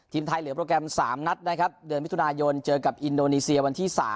ทีมไทยเหลือโปรแกรม๓นัดนะครับเดือนมิถุนายนเจอกับอินโดนีเซียวันที่๓